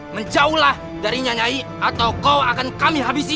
menjauhlah dari nyanyai atau kau akan kami habisi